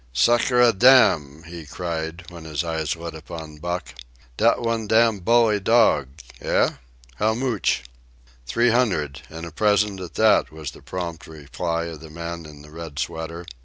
"Sacredam!" he cried, when his eyes lit upon Buck. "Dat one dam bully dog! Eh? How moch?" "Three hundred, and a present at that," was the prompt reply of the man in the red sweater.